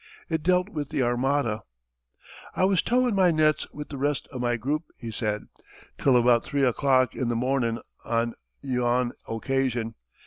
It dealt with the Armada. "I was towin' my nets wi' the rest o' my group," he said, "till about 3 o'clock i' the mornin' on yon occasion.